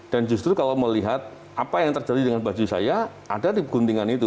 dan justru kalau melihat apa yang terjadi dengan baju saya ada di guntingan itu